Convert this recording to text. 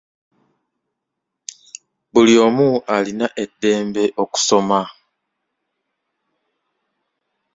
Buli omu alina eddembe okusoma.